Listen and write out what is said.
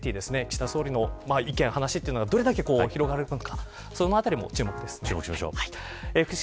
あさってからＧ２０岸田総理の意見、話というのがどれだけ広がるのかそのあたりにも注目ですね。